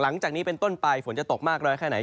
หลังจากนี้เป็นต้นไปฝนจะตกมากเลย